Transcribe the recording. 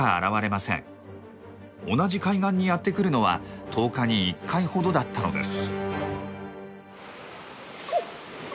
同じ海岸にやって来るのは１０日に１回ほどだったのです。